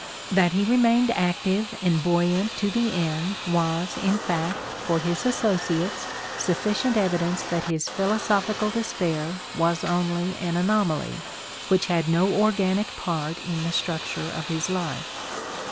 That he remained active and buoyant to the end was, in fact, for his associates, sufficient evidence that his philosophical despair was only an anomaly, which had no organic part in the structure of his life.